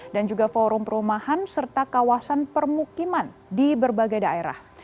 dan juga forum perumahan serta kawasan permukiman di berbagai daerah